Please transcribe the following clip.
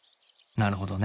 なるほどね！